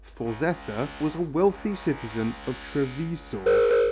Forzetta was a wealthy citizen of Treviso.